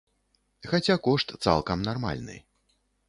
Хаця кошт цалкам нармальны.